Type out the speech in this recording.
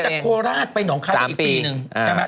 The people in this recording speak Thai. ถ้าจากโคราชไปนองคายอีกปีนึง